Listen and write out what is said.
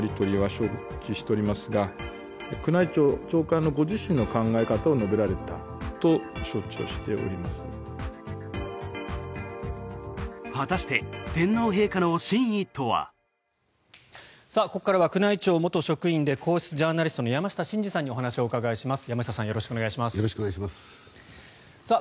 ここからは宮内庁元職員で皇室ジャーナリストの山下晋司さんにお話を伺います。